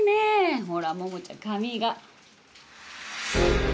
ほらモモちゃん髪が。